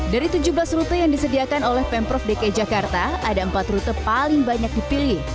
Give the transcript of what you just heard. dari tujuh belas rute yang disediakan oleh pemprov dki jakarta ada empat rute paling banyak dipilih